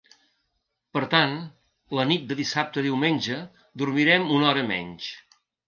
Per tant, la nit de dissabte a diumenge, dormirem una hora menys.